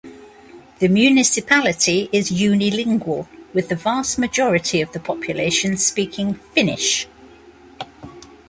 The municipality is unilingual with the vast majority of the population speaking Finnish.